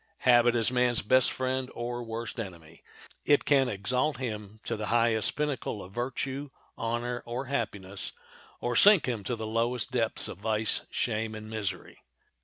Habit is man's best friend or worst enemy. It can exalt him to the highest pinnacle of virtue, honor, or happiness, or sink him to the lowest depths of vice, shame, and misery.